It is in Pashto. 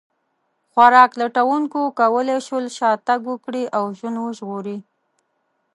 خوراک لټونکو کولی شول شا تګ وکړي او ژوند وژغوري.